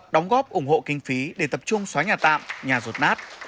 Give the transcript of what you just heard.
đóng góp ủng hộ kinh phí để tập trung xóa nhà tạm nhà rột nát